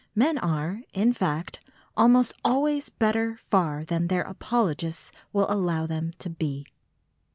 Men are, in fact, almost always better far than their apologists will allow them to be.